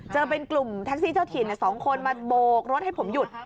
เป็นกลุ่มแท็กซี่เจ้าถิ่น๒คนมาโบกรถให้ผมหยุด